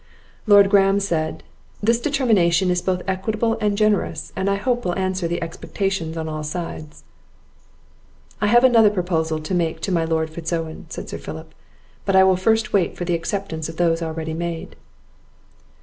Lord Graham said, "This determination is both equitable and generous, and I hope will answer the expectations on all sides." "I have another proposal to make to my Lord Fitz Owen," said Sir Philip; "but I first wait for the acceptance of those already made."